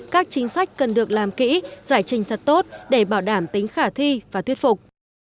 các chính sách cần được làm kỹ giải trình thật tốt để bảo đảm tính khả thi và thuyết phục